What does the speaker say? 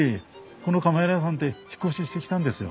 このカメラ屋さんって引っ越ししてきたんですよ。